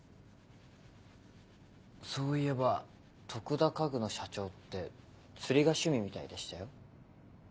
そういえば徳田家具の社長って釣りが趣味みたいでしたよ。